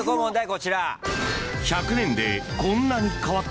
こちら。